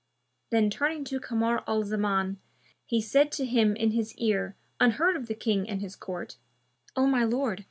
Then turning to Kamar al Zaman, he said to him in his ear unheard of the King and his court, 'O my lord!